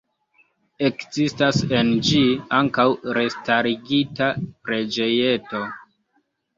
Ekzistas en ĝi ankaŭ restarigita preĝejeto.